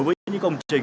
với những công trình